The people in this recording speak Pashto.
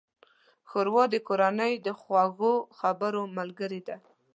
ښوروا د کورنۍ د خوږو خبرو ملګرې ده.